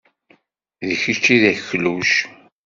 D kečč ay d akluc.